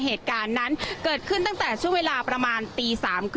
เหตุการณ์นั้นเกิดขึ้นตั้งแต่ช่วงเวลาประมาณตี๓๓๐